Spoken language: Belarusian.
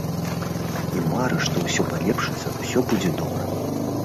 І мары, што ўсё палепшыцца, усё будзе добра.